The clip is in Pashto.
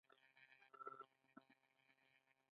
مرک یاغي بیړۍ شوه، مست ماڼو څپو ته ننووت